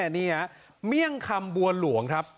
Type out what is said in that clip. นี่ฮะเมี่ยงคำบัวหลวงครับ